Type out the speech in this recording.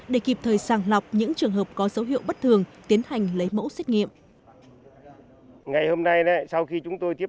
để kịp thời sàng lọc những trường hợp có dấu hiệu bất thường tiến hành lấy mẫu xét nghiệm